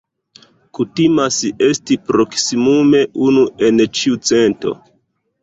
Kutimas esti proksimume unu en ĉiu cento.